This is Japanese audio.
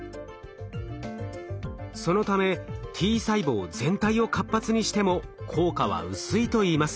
そのためＴ細胞全体を活発にしても効果は薄いといいます。